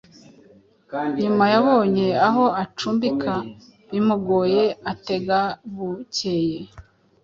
nyuma yabonye aho acumbika bimugoye atega bucyeye.